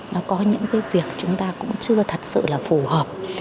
nó có những cái việc chúng ta cũng chưa thật sự là phù hợp